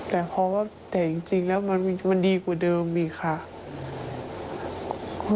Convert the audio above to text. แต่เพราะว่าแต่จริงแล้วมันดีกว่าเดิมอีกค่ะ